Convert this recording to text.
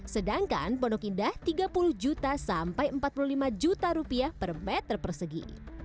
sedangkan pondok indah rp tiga puluh rp empat puluh lima per meter persegi